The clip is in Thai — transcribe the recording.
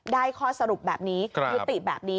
ได้ข้อสรุปแบบนี้